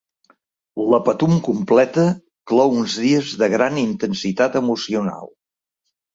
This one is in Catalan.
La Patum completa clou uns dies de gran intensitat emocional.